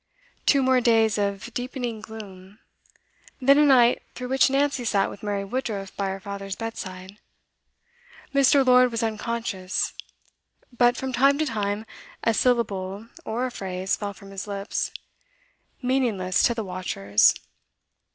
Two more days of deepening gloom, then a night through which Nancy sat with Mary Woodruff by her father's bed. Mr. Lord was unconscious, but from time to time a syllable or a phrase fell from his lips, meaningless to the watchers.